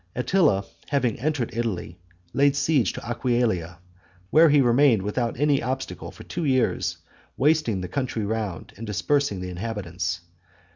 Attila, having entered Italy, laid siege to Aquileia, where he remained without any obstacle for two years, wasting the country round, and dispersing the inhabitants.